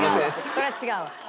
それは違うわ。